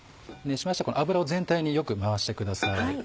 熱しましたら油を全体によく回してください。